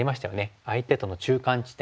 相手との中間地点。